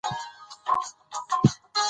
دا مراسم د جلال اباد په ښار کې وو.